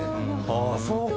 ああそうか。